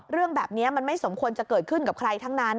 เรื่องแบบนี้มันไม่สมควรจะเกิดขึ้นกับใครทั้งนั้น